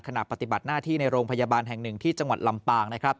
ขนาดปฏิบัติหน้าที่ในโรงพยาบาลแห่ง๑